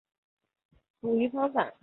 捕鱼方法是守株待兔。